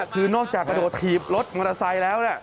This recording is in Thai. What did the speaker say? คือนอกจากกระโดดถีบรถมอเตอร์ไซค์แล้ว